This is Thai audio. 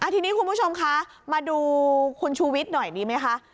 ทีนี้คุณผู้ชมคะมาดูคุณชูวิทย์หน่อยดีไหมคะ